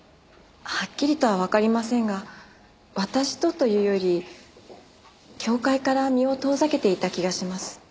はっきりとはわかりませんが私とというより教会から身を遠ざけていた気がします。